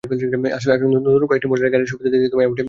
আসলে নতুন কয়েকটি মডেলের গাড়ির জন্য সুবিধা দিতেই এমনটা করা হয়।